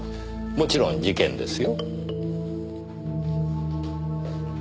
もちろん事件ですよ。